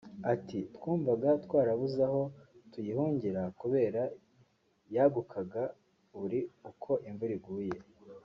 Ati “Twumvaga twarabuze aho tuyihungira kubera yagukaga buri uko imvura iguye